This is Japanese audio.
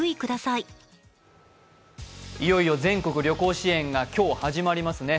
いよいよ全国旅行支援が今日始まりますね。